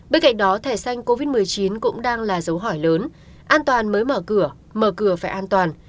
bên cạnh đó thẻ xanh covid một mươi chín cũng đang là dấu hỏi lớn an toàn mới mở cửa mở cửa phải an toàn